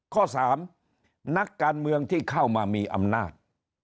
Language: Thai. ข้อ๓นักการเมืองที่เข้ามามีอำนาจ